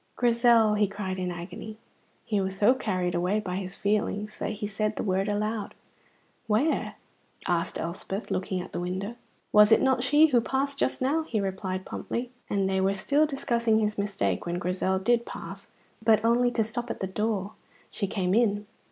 "Grizel!" he cried in agony. He was so carried away by his feelings that he said the word aloud. "Where?" asked Elspeth, looking at the window. "Was it not she who passed just now?" he replied promptly; and they were still discussing his mistake when Grizel did pass, but only to stop at the door. She came in.